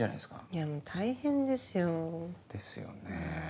いやもう大変ですよ。ですよね。